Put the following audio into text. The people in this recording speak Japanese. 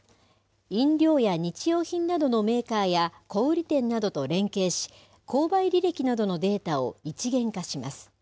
飲料や日用品などのメーカーや、小売り店などと連携し、購買履歴などのデータを一元化します。